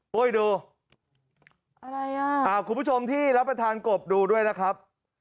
ปุ้ยดูอะไรอ่ะคุณผู้ชมที่รับประทานกบดูด้วยนะครับ